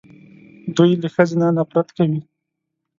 دوی له ښځې نه نفرت کوي